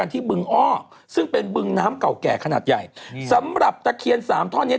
ที่บึงอ้อซึ่งเป็นบึงน้ำเก่าแก่ขนาดใหญ่สำหรับตะเคียนสามท่อนเนี้ย